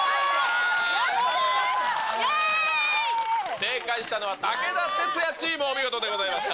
正解したのは武田鉄矢チーム、お見事でございました。